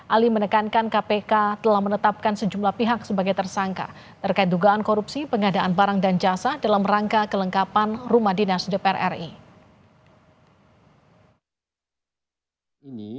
ali menekankan kpk telah menetapkan sejumlah pihak sebagai tersangka terkait dugaan korupsi pengadaan barang dan jasa dalam rangka kelengkapan rumah dinas dpr ri